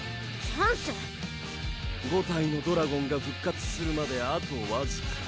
５体のドラゴンが復活するまであとわずか。